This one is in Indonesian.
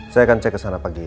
saya akan cek kesana pagi ini